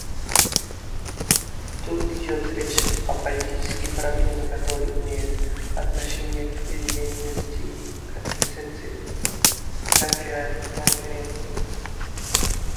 Тут идет речь о политической проблеме, которая имеет отношение к перманентности Конференции.